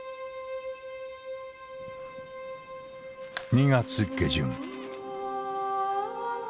２月下旬。